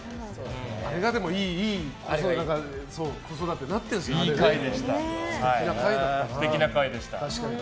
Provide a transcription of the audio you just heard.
あれがいい子育てになったりするんですね。